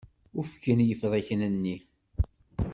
Ufgen yebṛiken-nni.